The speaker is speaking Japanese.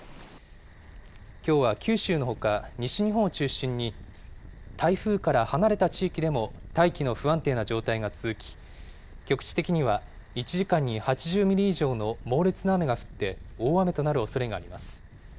きょうは九州のほか、西日本を中心に台風から離れた地域でも大気の不安定な状態が続き、局地的には１時間に８０ミリ以上の猛烈な雨が降って、大雨となるおそれがあります。